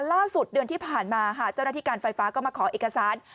เดือนที่ผ่านมาค่ะเจ้าหน้าที่การไฟฟ้าก็มาขอเอกสาร